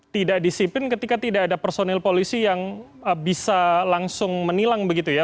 tidak disiplin ketika tidak ada personil polisi yang bisa langsung menilang begitu ya